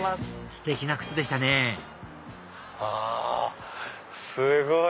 ステキな靴でしたねあすごい！